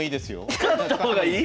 使った方がいい？